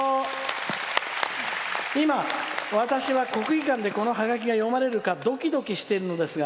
今、私は国技館でこのハガキが読まれるかドキドキしているのですが」。